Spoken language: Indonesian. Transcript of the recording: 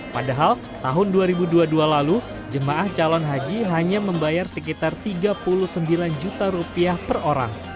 padahal tahun dua ribu dua puluh dua lalu jemaah calon haji hanya membayar sekitar tiga puluh sembilan juta rupiah per orang